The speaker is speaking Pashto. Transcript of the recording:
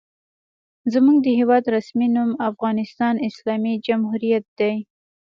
زموږ د هېواد رسمي نوم افغانستان اسلامي جمهوریت دی.